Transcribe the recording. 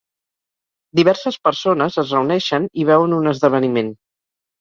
Diverses persones es reuneixen i veuen un esdeveniment.